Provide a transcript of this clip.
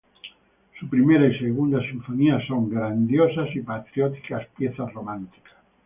Su "Primera "y "Segunda sinfonías" son grandiosas y patrióticas piezas románticas.